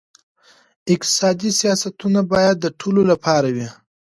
اقتصادي سیاستونه باید د ټولو لپاره وي.